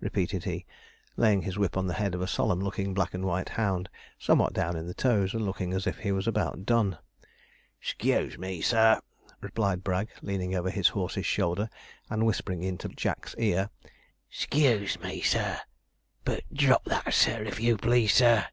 repeated he, laying his whip on the head of a solemn looking black and white hound, somewhat down in the toes, and looking as if he was about done. 'Sc e e use me, sir,' replied Bragg, leaning over his horse's shoulder, and whispering into Jack's ear; 'sc e e use me, sir, but drop that, sir, if you please, sir.'